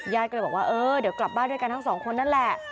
ญาติก็เลยบอกว่าเออเดี๋ยวกลับบ้านด้วยกันทั้งสองคนนั่นแหละ